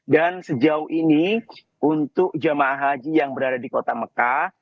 dan sejauh ini untuk jamaah haji yang berada di kota mekah